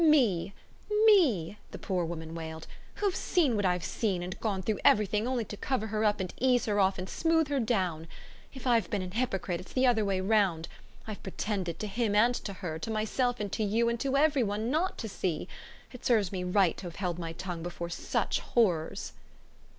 "Me, ME!" the poor woman wailed, "who've seen what I've seen and gone through everything only to cover her up and ease her off and smooth her down? If I've been an 'ipocrite it's the other way round: I've pretended, to him and to her, to myself and to you and to every one, NOT to see! It serves me right to have held my tongue before such horrors!"